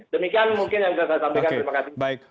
demikian mungkin yang bisa saya sampaikan terima kasih